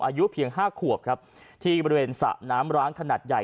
อายุเพียง๕ขวบครับที่บริเวณสระน้ำร้างขนาดใหญ่